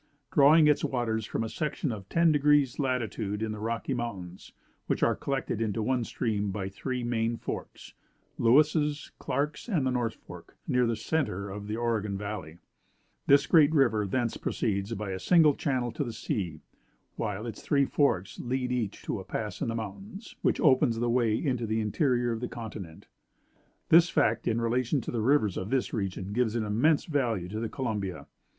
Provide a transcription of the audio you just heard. Drawing its waters from a section of ten degrees of latitude in the Rocky Mountains, which are collected into one stream by three main forks (Lewis's, Clark's, and the North Fork), near the centre of the Oregon valley, this great river thence proceeds by a single channel to the sea, while its three forks lead each to a pass in the mountains, which opens the way into the interior of the continent. This fact in relation to the rivers of this region gives an immense value to the Columbia.